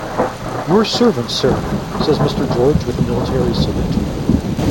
"Your servant, sir," says Mr. George with a military salute.